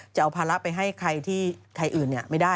จะเอาภาระไปให้ใครอื่นไม่ได้